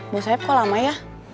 mau saeb kok lama ya